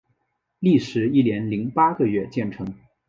历时一年零八个月建成。